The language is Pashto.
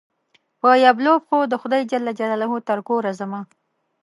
په يبلو پښو دخدای ج ترکوره ځمه